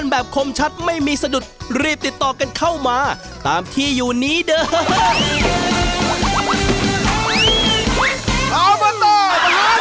แล้วมาต่อประมาณสอง